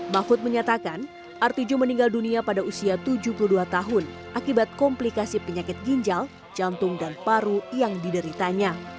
mahfud menyatakan artijo meninggal dunia pada usia tujuh puluh dua tahun akibat komplikasi penyakit ginjal jantung dan paru yang dideritanya